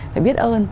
phải biết ơn